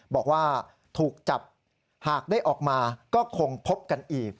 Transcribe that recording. บอกว่าถูกจับหากได้ออกมาก็คงพบกันอีก